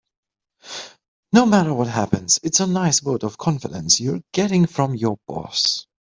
No matter what happens, it's a nice vote of confidence you're getting from your boss.